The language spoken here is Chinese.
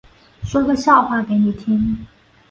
说个笑话给你听